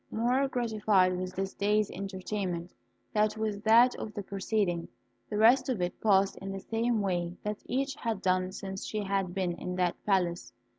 More gratified with this day's entertainment than with that of the preceding, the rest of it passed in the same way that each had done since she had been in that palace.